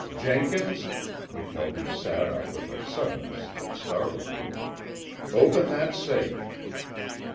"Jenkins!" McKelvie sat up with a suddenness that startled me. "Open that safe."